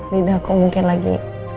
lidah aku mungkin lagi